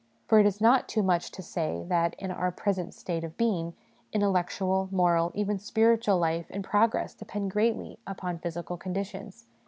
For it is not too much to say that, in our pre sent state of being, intellectual, moral, even spiritual life and progress depend greatly upon physical conditions.